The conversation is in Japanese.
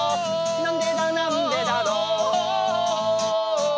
「なんでだなんでだろう」